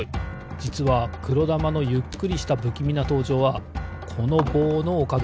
じつはくろだまのゆっくりしたぶきみなとうじょうはこのぼうのおかげなんです。